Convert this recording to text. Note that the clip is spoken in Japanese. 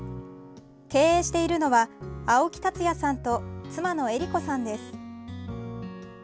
経営しているのは青木達也さんと妻の江梨子さんです。